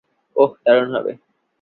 ওহ, দারুণ হবে।